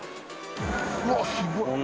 うわっ、すごい。